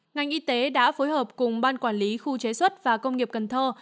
ngành y tế đã phối hợp cùng ban quản lý khu chế xuất và công nghiệp cần thơ